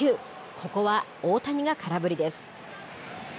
ここは大谷が空振りです。